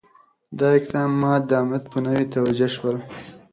دا اقدامات د امنیت په نوم توجیه شول.